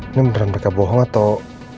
ini beneran mereka bohong atau